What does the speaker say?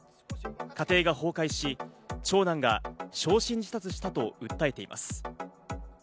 家庭が崩壊し、長男が焼身自殺したと訴えています。